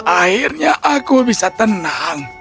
akhirnya aku bisa tenang